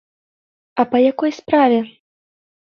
А па якой справе?